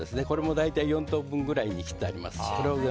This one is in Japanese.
これも大体４等分くらいに切ってあります。